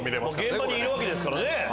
現場にいるわけですからね。